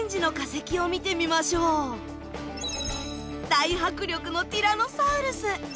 大迫力のティラノサウルス。